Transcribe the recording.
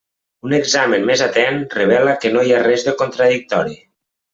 Un examen més atent revela que no hi ha res de contradictori.